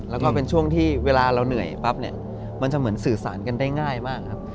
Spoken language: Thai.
แล้วก็เป็นช่วงที่เวลาเราเหนื่อยปั๊บเนี่ยมันจะเหมือนสื่อสารกันได้ง่ายมากครับ